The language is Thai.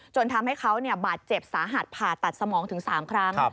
จนทำให้เขาบาดเจ็บสาหัสผ่าตัดสมองถึง๓ครั้ง